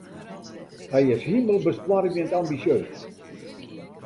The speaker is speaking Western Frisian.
Hy is himelbestoarmjend ambisjeus.